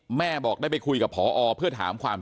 เชิงชู้สาวกับผอโรงเรียนคนนี้